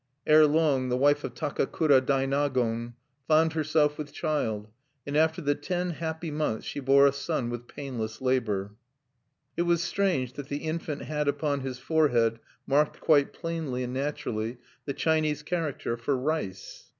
Erelong the wife of Takakura Dainagon found herself with child; and after the ten(4) happy months she bore a son with painless labor. It was strange that the infant had upon his forehead, marked quite plainly and naturally, the Chinese character for "rice."